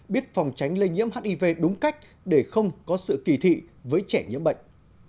biết phòng tránh lây nhiễm hiv đúng cách để không có sự kỳ thị với trẻ nhiễm bệnh